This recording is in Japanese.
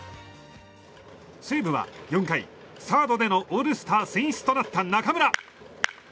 西武は４回、サードでのオールスター選出となった中村。